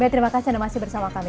terima kasih anda masih bersama kami